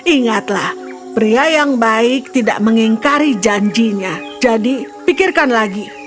ingatlah pria yang baik tidak mengingkari janjinya jadi pikirkan lagi